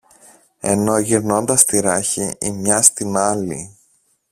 ενώ γυρνώντας τη ράχη η μια στην άλλη